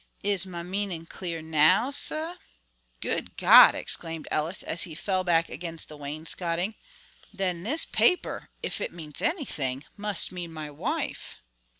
Is my meaning clear now, sah?" "Good God!" exclaimed Ellis, as he fell back against the wainscotting, "then this paper, if it means anything, must mean my wife."